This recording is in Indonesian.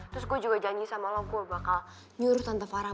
terus gue juga janji sama lo gue bakal nyuruh tanpa farah